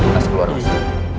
mas keluar mas rendy